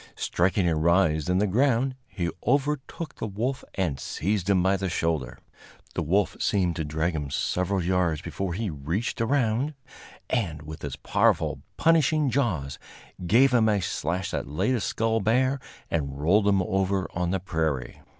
Striking a rise in the ground, he overtook the wolf and seized him by the shoulder. The wolf seemed to drag him several yards before he reached around, and with his powerful, punishing jaws gave him a slash that laid his skull bare and rolled him over on the prairie.